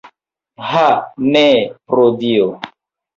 Ha, ne, pro Dio!